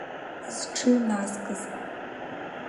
Зҽыҩназкыз.